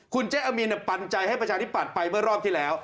คุณเจ๊อามีนปันใจให้ประชาธิปัตย์ไปเมื่อรอบที่แล้ว